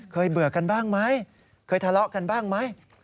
เบื่อกันบ้างไหมเคยทะเลาะกันบ้างไหม